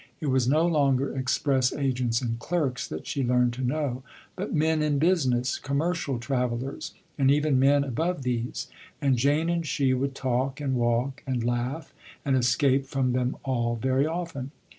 It was no longer express agents and clerks that she learned to know, but men in business, commercial travelers, and even men above these, and Jane and she would talk and walk and laugh and escape from them all very often.